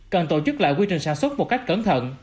cần tổ chức lại quy trình sản xuất một cách cẩn thận